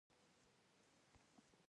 کلیشه له فرانسوي کليمې کلیسې څخه راغلې ده.